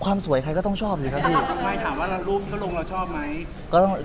ก็ถามว่าโปรแม้ก็แล้วแต่มุมมองคุณ